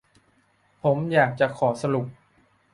ผมอยากจะขอสรุป